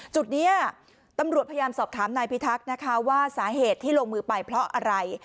จุดนี้ตำรวจพยายามสอบถามนายพิทักษ์นะคะว่าสาเหตุที่ลงมือไปเพราะอะไร